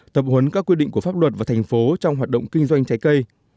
tập huấn các quy định của pháp luật và thành phố trong hoạt động kinh doanh trái cây